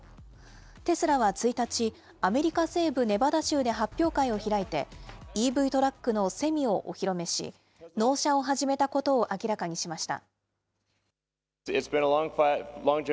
テスラは１日、アメリカ西部ネバダ州で発表会を開いて、ＥＶトラックのセミをお披露目し、納車を始めたことを明らかにしました。